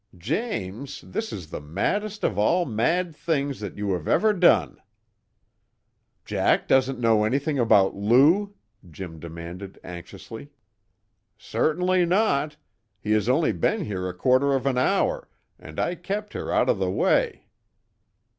"James, this is the maddest of all mad things that you have ever done!" "Jack doesn't know anything about Lou?" Jim demanded anxiously. "Certainly not. He has only been here a quarter of an hour, and I kept her out of the way.